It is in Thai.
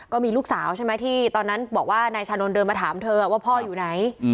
ก็มีลูกสาวใช่ไหมที่ตอนนั้นบอกว่านายชานนท์เดินมาถามเธอว่าพ่ออยู่ไหน